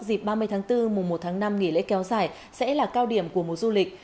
dịp ba mươi tháng bốn mùa một tháng năm nghỉ lễ kéo dài sẽ là cao điểm của mùa du lịch